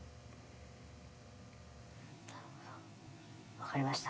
分かりました。